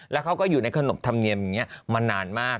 แล้วเขาก็อยู่ในขนบธรรมเนียมมานานมาก